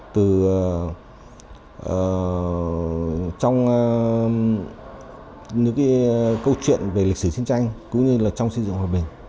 từ trong những câu chuyện về lịch sử chiến tranh cũng như là trong xây dựng hòa bình